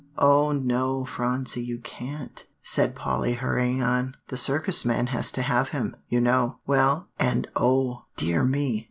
"Oh, no, Phronsie, you can't," said Polly hurrying on; "the Circus man has to have him, you know. Well, and oh, dear me!